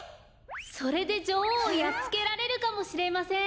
それでじょおうをやっつけられるかもしれません。